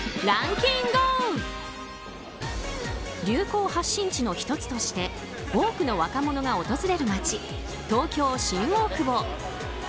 流行発信地の１つとして多くの若者が訪れる街東京・新大久保。